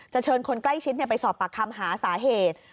เชิญคนใกล้ชิดไปสอบปากคำหาสาเหตุ